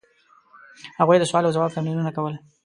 هغوی د سوال او ځواب تمرینونه کول.